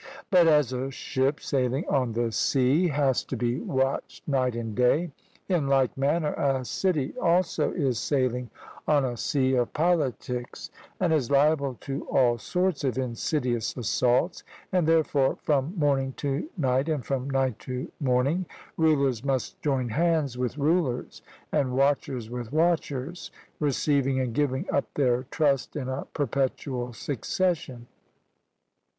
But as a ship sailing on the sea has to be watched night and day, in like manner a city also is sailing on a sea of politics, and is liable to all sorts of insidious assaults; and therefore from morning to night, and from night to morning, rulers must join hands with rulers, and watchers with watchers, receiving and giving up their trust in a perpetual succession.